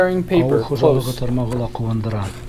Ауыл хужалығы тармағы ла ҡыуандыра.